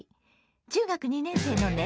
中学２年生のね